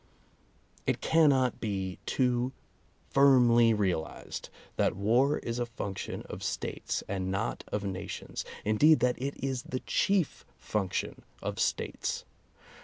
It cannot be too firmly realized that war is a function of States and not of nations, indeed that it is the chief function of States.